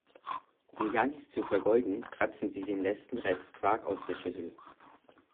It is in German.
Um ja nichts zu vergeuden, kratzen sie den letzten Rest Quark aus der Schüssel.